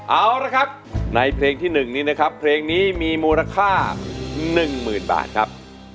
เอาละครับในเพลงที่๑นี้นะครับเพลงนี้มีมูลค่า๑๐๐๐บาทครับ